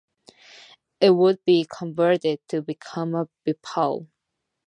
It would be converted to become a bipole.